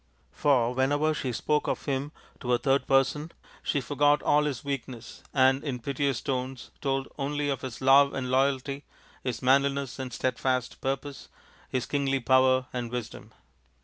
For whenever she spoke of him to a third person she forgot all his weakness, and in piteous NALA THE GAMESTER 135 tones told only of his love and loyalty, his manliness and steadfast purpose, his kingly power and wisdom.